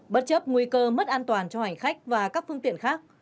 bất chấp nguy cơ mất an toàn cho hành khách và các phương tiện khác